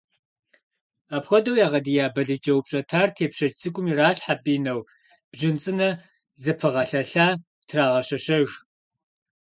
Апхуэдэу ягъэдия балыджэ упщӏэтар тепщэч цӏыкӏум иралъхьэ пӏинэу, бжьын цӏынэ зэпыгъэлъэлъа трагъэщэщэж.